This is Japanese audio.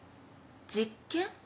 実験？